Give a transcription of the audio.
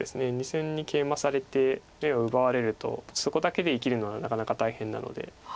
２線にケイマされて眼を奪われるとそこだけで生きるのはなかなか大変なので。